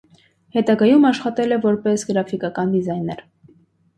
Հետագայում աշխատել է որպես գրաֆիկական դիզայներ։